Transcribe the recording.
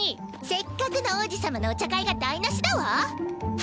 せっかくの王子様のお茶会が台なしだわ！